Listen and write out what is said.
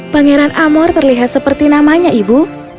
pangeran amor terlihat seperti namanya ibu